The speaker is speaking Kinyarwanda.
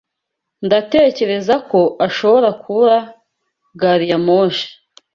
Ndatekereza ko ashobora kubura gari ya moshi.